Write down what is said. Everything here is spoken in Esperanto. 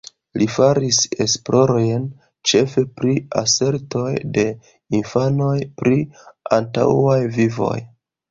Li faris esplorojn ĉefe pri asertoj de infanoj pri antaŭaj vivoj.